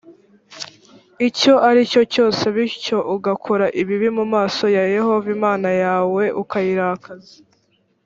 icyo ari cyo cyose bityo ugakora ibibi mu maso ya yehova imana yawe e ukayirakaza